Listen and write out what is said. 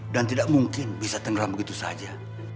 dan tidak mungkin bisa tenggeram begitu saja